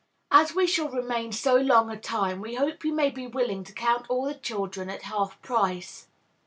As we shall remain so long a time, we hope you may be willing to count all the children at half price.